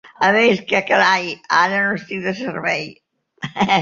A més, què carai!, ara no estic de servei.